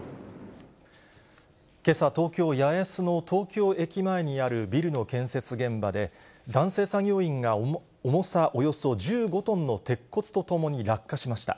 けさ、東京・八重洲の東京駅前にあるビルの建設現場で、男性作業員が重さおよそ１５トンの鉄骨とともに落下しました。